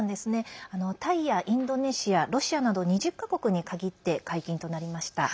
タイやインドネシアロシアなど２０か国に限って解禁となりました。